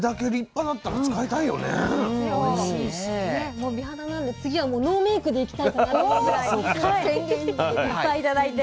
もう美肌なんで次はもうノーメイクで行きたいかなと思うぐらいいっぱい頂いて。